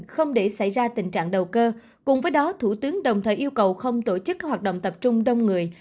không để xảy ra tình trạng đầu cơ cùng với đó thủ tướng đồng thời yêu cầu không tổ chức hoạt động tập trung đông người